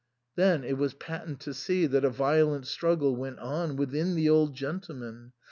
Then it was patent to see that a violent struggle went on within the old gentleman.